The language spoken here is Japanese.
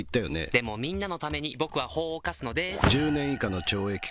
「でもみんなのために僕は法を犯すのです」